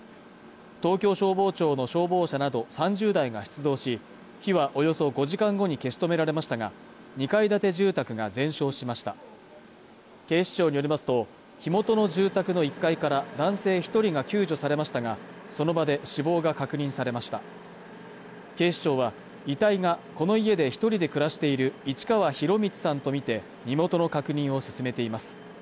東京消防庁の消防車など３０台が出動し火はおよそ５時間後に消し止められましたが２階建て住宅が全焼しました警視庁によりますと火元の住宅の１階から男性一人が救助されましたがその場で死亡が確認されました警視庁は遺体がこの家で一人で暮らしている市川洋充さんと見て身元の確認を進めています